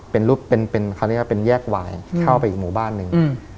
เป็นรูปเป็นแยกวายเข้าไปอีกหมู่บ้านนึง